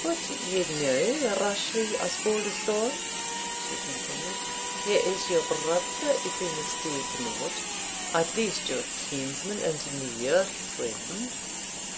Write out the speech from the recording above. "But you know Rashleigh Osbaldistone," she continued. "He is your brother, if I mistake not, at least your kinsman and near friend."